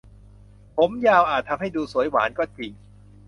ผมยาวอาจทำให้ดูสวยหวานก็จริง